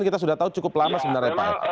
kita sudah tahu cukup lama sebenarnya pak